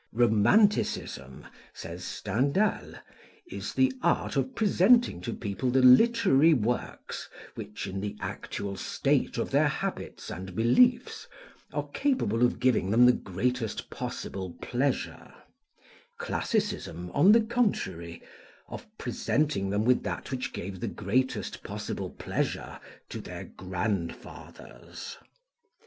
"Romanticism," says Stendhal, "is the art of presenting to people the literary works which, in the actual state of their habits and beliefs, are capable of giving them the greatest possible pleasure; classicism, on the contrary, of presenting them with that which gave the greatest possible pleasure to their grandfathers."